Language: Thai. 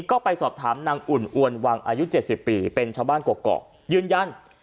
ก็ไปสอบถามนางอุ่นอวนวังอายุ๗๐ปีเป็นชาวบ้านกรอกยืนยัน